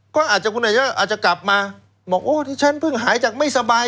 ก็อาจจะกลับมาบอกว่าฉันพึ่งหายจากไม่สบาย